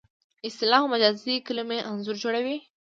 اصطلاح او مجازي کلمې انځور جوړوي